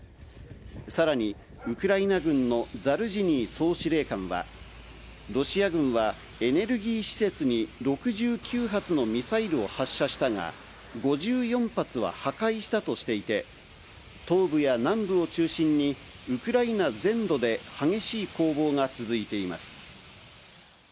さらにウクライナ軍のザルジニー総司令官は、ロシア軍はエネルギー施設に６９発のミサイルを発射したが、５４発は破壊したとしていて、東部や南部を中心に、ウクライナ全土で激しい攻防が続いています。